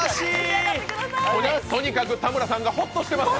とにかく田村さんがホッとしています。